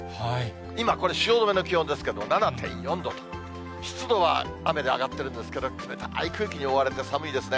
今、これ、汐留の気温ですけど、７．４度と、湿度は雨で上がってるんですけど、冷たい空気に覆われて寒いですね。